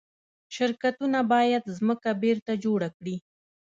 شرکتونه باید ځمکه بیرته جوړه کړي.